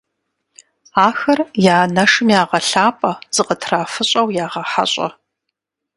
Ахэр я анэшым ягъэлъапӀэ, зыкытрафыщӀэу ягъэхьэщӀэ.